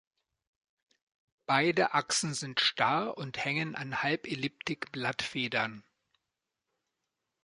Beide Achsen sind starr und hängen an Halbelliptik-Blattfedern.